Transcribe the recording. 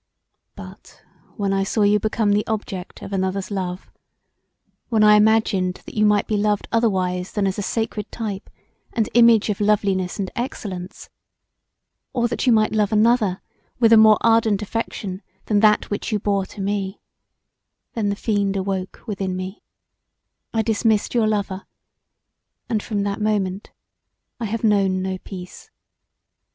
"But when I saw you become the object of another's love; when I imagined that you might be loved otherwise than as a sacred type and image of loveliness and excellence; or that you might love another with a more ardent affection than that which you bore to me, then the fiend awoke within me; I dismissed your lover; and from that moment I have known no peace.